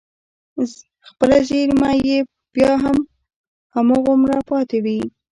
خپله زېرمه يې بيا هم هماغومره پاتې وي.